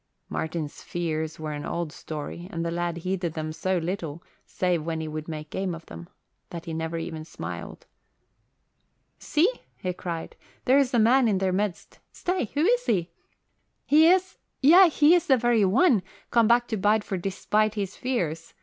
Martin's fears were an old story and the lad heeded them so little, save when he would make game of them, that he never even smiled. "See!" he cried. "There's a man in their midst. Stay! Who is he? He is yea, he is the very one, come back to Bideford despite his fears.